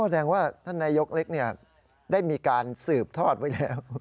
แสดงว่าท่านนายกเล็กได้มีการสืบทอดไว้แล้ว